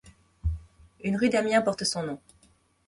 Une rue d'Amiens porte son nom.